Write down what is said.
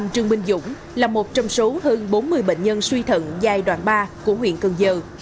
trương minh dũng là một trong số hơn bốn mươi bệnh nhân suy thận giai đoạn ba của huyện cần giờ